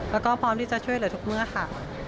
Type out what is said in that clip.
แล้วก็พร้อมที่จะช่วยเหลือทุกเมื่อค่ะ